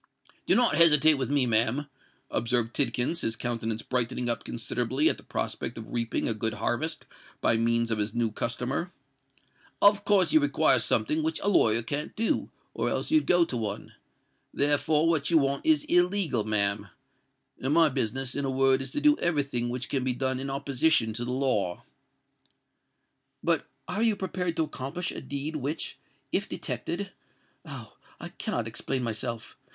"Do not hesitate with me, ma'am," observed Tidkins, his countenance brightening up considerably at the prospect of reaping a good harvest by means of his new customer. "Of course you require something which a lawyer can't do, or else you'd go to one: therefore what you want is illegal, ma'am; and my business, in a word, is to do every thing which can be done in opposition to the law." "But are you prepared to accomplish a deed which, if detected——Oh! I cannot explain myself!